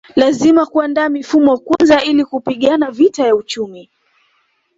Lazima kuandaa mifumo kwanza ili kupigana vita ya kiuchumi